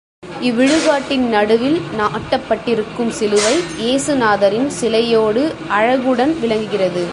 இவ்விடுகாட்டின் நடுவில் நாட்டப்பட்டிருக்கும் சிலுவை, ஏசு நாதரின் சிலையோடு அழகுடன் விளங்குகிறது.